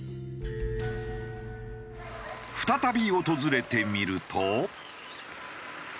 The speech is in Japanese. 再び訪れてみると。